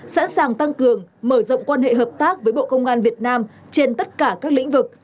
sẵn sàng tăng cường mở rộng quan hệ hợp tác với bộ công an việt nam trên tất cả các lĩnh vực